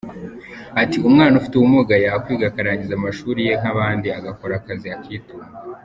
Ati “Umwana ufite ubumuga yakwiga akarangiza amashuri ye nk’abandi agakora akazi akitunga.